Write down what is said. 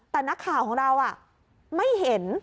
แต่นักข่าวของเราไม่เห็น